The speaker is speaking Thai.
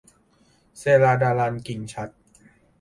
เสราดารัล - กิ่งฉัตร